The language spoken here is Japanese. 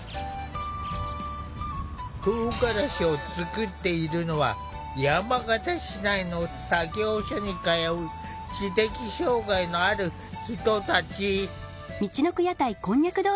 とうがらしを作っているのは山形市内の作業所に通う知的障害のある人たち。